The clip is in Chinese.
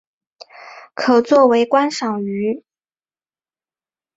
可做为观赏鱼。